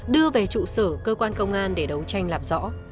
đưa về trụ sở cơ quan công an để đấu tranh làm rõ